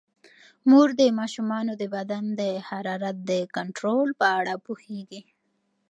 مور د ماشومانو د بدن د حرارت د کنټرول په اړه پوهیږي.